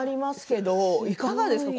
いかがですか？